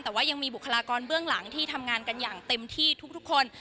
แต่ว่ายังมีบุคลากรเบื้องหลังที่ทำงานกันอย่างเต็มที่ทุกคน